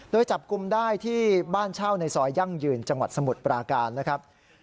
โดยจับกลุ่มได้ที่บ้านเช่าในซอยยั่งยืนจังหวัดสมุทรปราการนะครับ